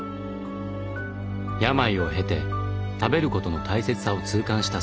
病を経て食べることの大切さを痛感したそうです。